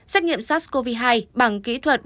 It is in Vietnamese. xét nghiệm sars cov hai bằng kỹ thuật